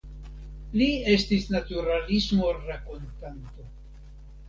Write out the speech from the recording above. Li estis naturalisma rakontanto.